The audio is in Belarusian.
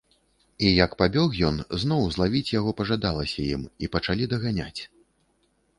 І як пабег ён, зноў злавіць яго пажадалася ім і пачалі даганяць.